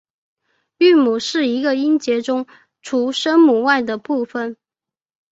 韵母是一个音节中除声母外的部分。